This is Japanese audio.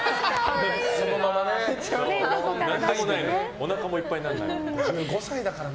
おなかもいっぱいにならない。